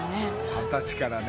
二十歳からね。